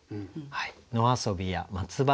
「野遊びや松葉